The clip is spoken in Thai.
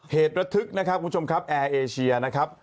เหตุระทึกนะครับคุณผู้ชมครับแอร์เอเชียนะครับ